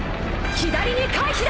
左に回避だ！